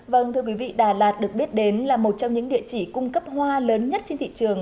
vâng thưa quý vị đà lạt được biết đến là một trong những địa chỉ cung cấp hoa lớn nhất trên thị trường